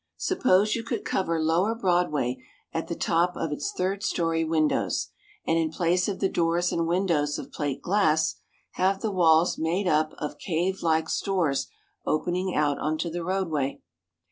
Suppose you could cover lower Broadway at the top of its third story windows, and in place of the doors and windows of plate glass have the walls made up of cave like stores opening out on the roadway.